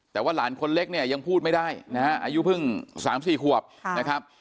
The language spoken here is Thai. แต่ว่าหลานคนเล็กเนี่ยยังพูดไม่ได้นะฮะอายุเพิ่ง๓๔ขวบนะครับ